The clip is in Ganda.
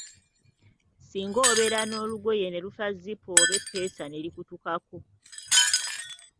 Singa obeera n'olugoye ne lufa zipu oba eppeesa ne likutukako.